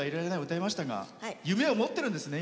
歌いましたが夢を持ってるんですね。